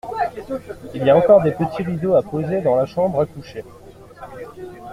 Il y a encore les petits rideaux à poser dans la chambre à coucher.